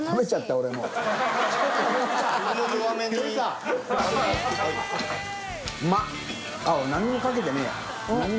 俺何にもかけてねぇや。